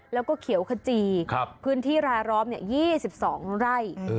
แล้วก็เขียวขจีครับพื้นที่รายล้อมเนี้ยยี่สิบสองไร่